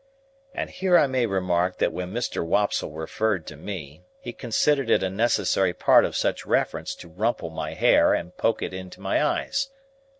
And here I may remark that when Mr. Wopsle referred to me, he considered it a necessary part of such reference to rumple my hair and poke it into my eyes.